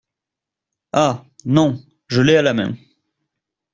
Ah ! non ! je l’ai à la main !…